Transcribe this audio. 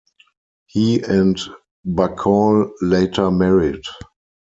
He and Bacall later married.